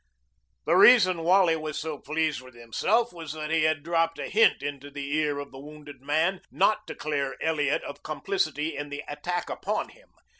The reason Wally was so pleased with himself was that he had dropped a hint into the ear of the wounded man not to clear Elliot of complicity in the attack upon him.